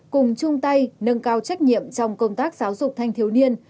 cùng chung tay nâng cao trách nhiệm trong công tác giáo dục thanh thiếu niên